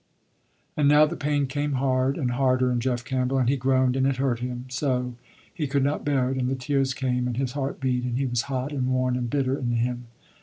And now the pain came hard and harder in Jeff Campbell, and he groaned, and it hurt him so, he could not bear it. And the tears came, and his heart beat, and he was hot and worn and bitter in him.